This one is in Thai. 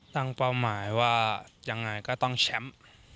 เป้าหมายว่ายังไงก็ต้องแชมป์